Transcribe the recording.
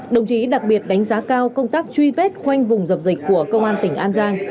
đồng chí đặc biệt đánh giá cao công tác truy vết khoanh vùng dập dịch của công an tỉnh an giang